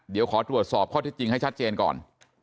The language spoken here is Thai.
เดี๋ยวขอตรวจสอบข้อที่จริงให้ชัดเจนก่อน